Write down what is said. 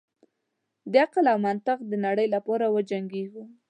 د عقل او منطق د نړۍ لپاره وجنګیږو.